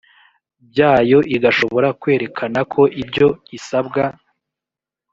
byayo igashobora kwerekanako ibyo isabwa